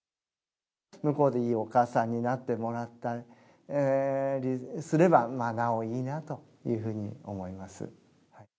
向こうでいいお母さんになってもらったりすれば、なおいいなというふうに思います。